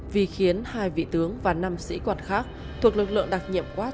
vì khiến hai vị tướng và năm sĩ quan khác thuộc lực lượng đặc nhiệm quát